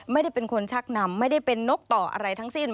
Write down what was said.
ไม่ได้เป็นคนชักนำไม่ได้เป็นนกต่ออะไรทั้งสิ้น